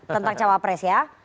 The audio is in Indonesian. tentang cowapres ya